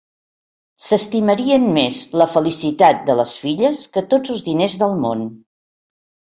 S'estimarien més la felicitat de les filles que tots els diners del món.